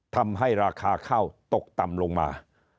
ทำให้ราคาข้าวตกต่ำลงมา